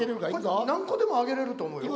これ何個でもあげれると思うよ。